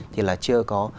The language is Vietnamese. thì là chưa có